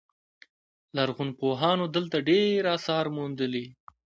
لرغونپوهانو دلته ډیر اثار موندلي